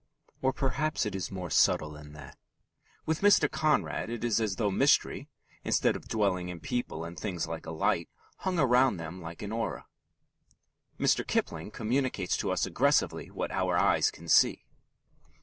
Or perhaps it is more subtle than that. With Mr. Conrad it is as though mystery, instead of dwelling in people and things like a light, hung about them like an aura. Mr. Kipling communicates to us aggressively what our eyes can see.